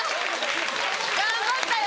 頑張ったよ。